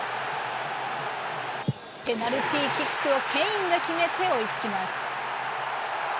ペナルティーキックをケインが決めて追いつきます。